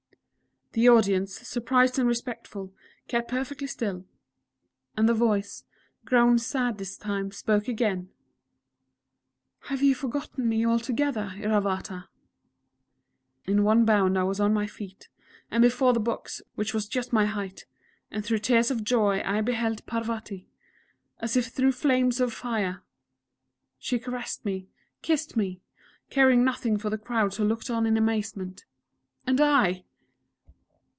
The audience, surprised and respectful, kept perfectly still; and the voice, grown sad this time, spoke again: "Have you forgotten me altogether, Iravata?" In one bound I was on my feet, and before the box, which was just my height, and through tears of joy I beheld Parvati, as if through flames of fire.... She caressed me kissed me caring nothing for the crowds who looked on in amazement.... And I!